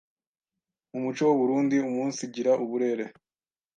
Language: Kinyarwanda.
mu muco w’u Burunndi, umunsigira uburere